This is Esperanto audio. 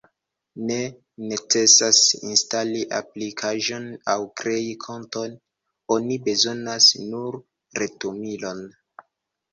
Ne necesas instali aplikaĵon aŭ krei konton, oni bezonas nur retumilon.